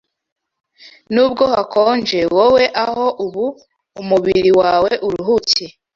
nubwo hakonje wowe aho ubu umubiri wawe uruhukiye